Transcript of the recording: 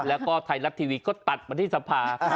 แล้วก็ไทยรัฐทีวีก็ตัดมาที่สภา